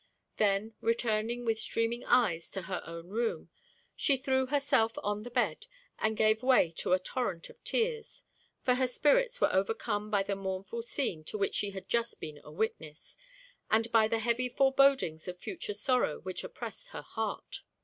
Then returning with streaming eyes to her own room, she threw herself on the bed, and gave way to a torrent of tears; for her spirits were overcome by the mournful scene to which she had just been a witness, and by the heavy forebodings of future sorrow which oppressed her heart.